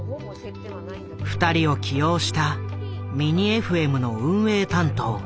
二人を起用したミニＦＭの運営担当